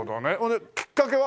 できっかけは？